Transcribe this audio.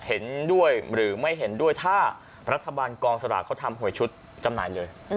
เห็นด้วยหรือไม่เห็นด้วยถ้ารัฐบาลกองสลากเขาทำหวยชุดจำหน่ายเลย